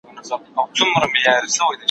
د ورځي یوازي سل سل جملې همکاري وکړي!!